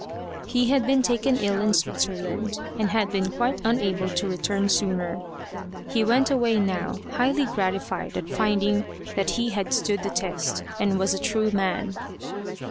He had been taken ill in Switzerland, and had been quite unable to return sooner. He went away now highly gratified at finding that he had stood the test, and was a true man.